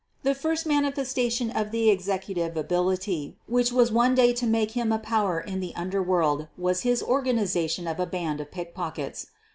The first manifestation of the executive ability which was one day to make him a power in the underworld was his organization of a band of pickpockets.